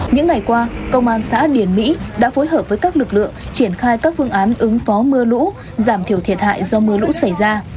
những ngày qua công an xã điển mỹ đã phối hợp với các lực lượng triển khai các phương án ứng phó mưa lũ giảm thiểu thiệt hại do mưa lũ xảy ra